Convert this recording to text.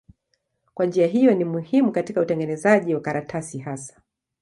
Kwa njia hiyo ni muhimu katika utengenezaji wa karatasi hasa.